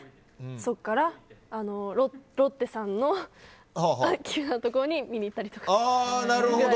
そこからロッテさんのところに見に行ったりとか。